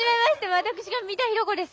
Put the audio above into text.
私が三田寛子です。